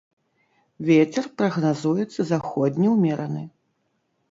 Вецер прагназуецца заходні ўмераны.